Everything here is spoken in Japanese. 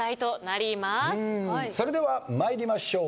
それでは参りましょう。